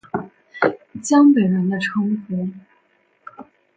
江北人的称呼。